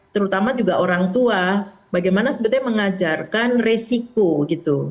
terutama juga orang tua bagaimana sebetulnya mengajarkan resiko gitu